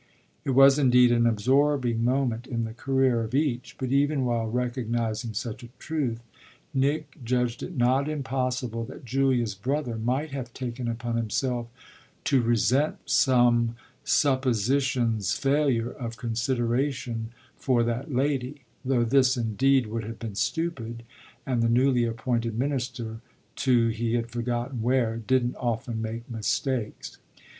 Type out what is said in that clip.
It was indeed an absorbing moment in the career of each, but even while recognising such a truth Nick judged it not impossible that Julia's brother might have taken upon himself to resent some suppositions failure of consideration for that lady; though this indeed would have been stupid and the newly appointed minister (to he had forgotten where) didn't often make mistakes.